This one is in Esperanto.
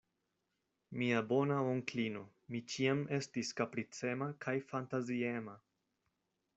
Mia bona onklino, mi ĉiam estis kapricema kaj fantaziema.